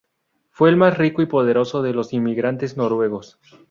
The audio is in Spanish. Fue el más rico y poderoso de los inmigrantes noruegos.